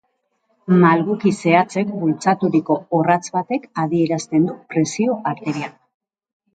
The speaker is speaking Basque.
Malguki zehatzek bultzaturiko orratz batek adierazten du presio arteriala.